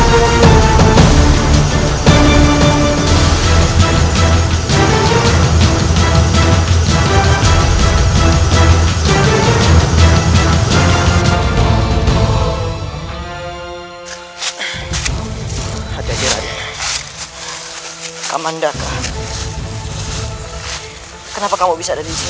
kenapa kamu bisa ada disini